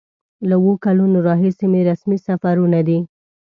له اوو کلونو راهیسې مې رسمي سفرونه دي.